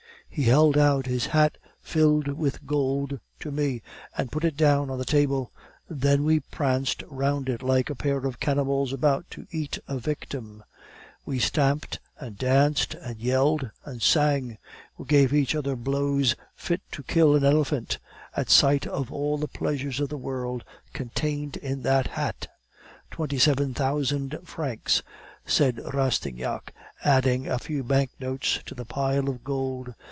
"He held out his hat filled with gold to me, and put it down on the table; then we pranced round it like a pair of cannibals about to eat a victim; we stamped, and danced, and yelled, and sang; we gave each other blows fit to kill an elephant, at sight of all the pleasures of the world contained in that hat. "'Twenty seven thousand francs,' said Rastignac, adding a few bank notes to the pile of gold.